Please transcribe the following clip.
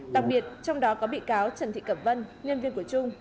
đặc biệt trong đó có bị cáo trần thị cẩm vân nhân viên của trung